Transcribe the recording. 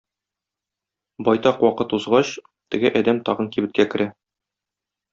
Байтак вакыт узгач, теге адәм тагын кибеткә керә.